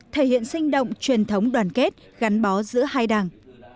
thể hiện sinh động truyền thống đoàn kết gắn bó giữa hai đảng